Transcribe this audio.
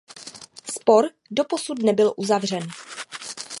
Spor doposud nebyl uzavřen.